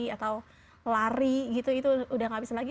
atau lari itu sudah tidak bisa lagi